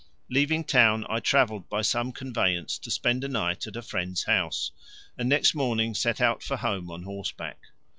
Leaving town I travelled by some conveyance to spend a night at a friend's house, and next morning set out for home on horseback.